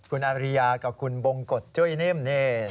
คุณอาริยากับคุณบงกฎจ้วยเนมเน่